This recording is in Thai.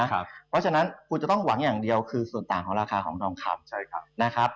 เพราะฉะนั้นคุณจะต้องหวังอย่างเดียวคือส่วนต่างของราคาของทองคำนะครับ